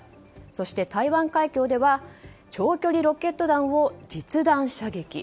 そして、台湾海峡では長距離ロケット弾を実弾射撃。